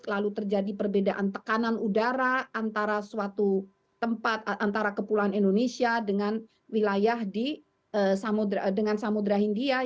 lalu terjadi perbedaan tekanan udara antara suatu tempat antara kepulauan indonesia dengan wilayah dengan samudera india